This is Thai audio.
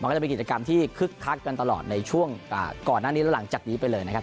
ก็จะเป็นกิจกรรมที่คึกคักกันตลอดในช่วงก่อนหน้านี้แล้วหลังจากนี้ไปเลยนะครับ